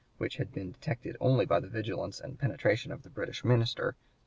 which had been detected only by the vigilance and penetration of the British minister.